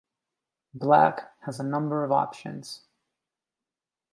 Black has a number of options.